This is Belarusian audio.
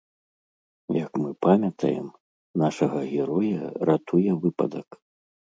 Як мы памятаем, нашага героя ратуе выпадак.